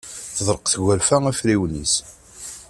Teḍleq tgerfa afriwen-is.